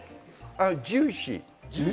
ジューシー！